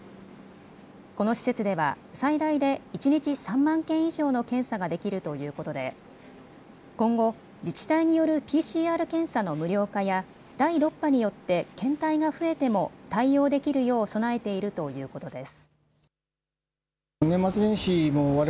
この施設では最大で一日３万件以上の検査ができるということで今後、自治体によるＰＣＲ検査の無料化や第６波によって検体が増えても対応できるよう備えているということです。